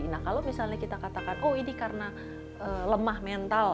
nah kalau misalnya kita katakan oh ini karena lemah mental